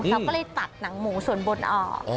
เราก็เลยตัดหนังหมูส่วนบนออก